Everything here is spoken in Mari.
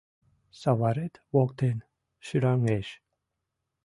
Саварет воктен шӱраҥеш.